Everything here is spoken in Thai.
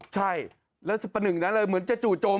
ใช่แล้วรู้สึกประหนึ่งเลยมึงจะจู่จม